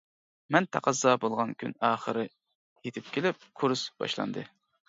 مەن تەقەززا بولغان كۈن ئاخىر يېتىپ كېلىپ كۇرس باشلاندى.